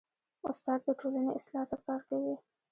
استاد د ټولنې اصلاح ته کار کوي.